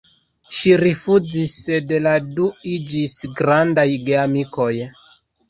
Ŝi rifuzis, sed la du iĝis grandaj geamikoj.